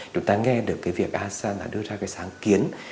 chúng ta nghe được cái việc asean đã đưa ra cái sáng kiến